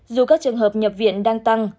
dù các trường hợp nhập viện đang tăng